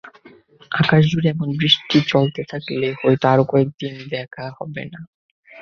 আকাশজুড়ে এমন বৃষ্টি চলতে থাকলে হয়তো আরও কয়েক দিন দেখা হবে না।